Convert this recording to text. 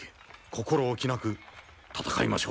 心おきなく戦いましょうぞ。